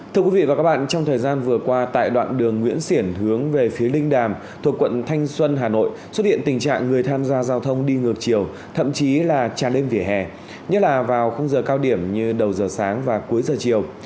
thưa quý vị và các bạn trong thời gian vừa qua tại đoạn đường nguyễn xiển hướng về phía linh đàm thuộc quận thanh xuân hà nội xuất hiện tình trạng người tham gia giao thông đi ngược chiều thậm chí là tràn lên vỉa hè nhất là vào khung giờ cao điểm như đầu giờ sáng và cuối giờ chiều